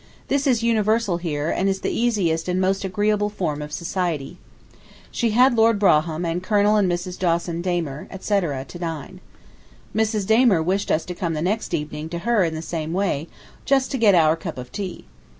This is universal here, and is the easiest and most agreeable form of society. She had Lord Brougham and Colonel and Mrs. Dawson Damer, etc., to dine. ... Mrs. Damer wished us to come the next evening to her in the same way, just to get our cup of tea.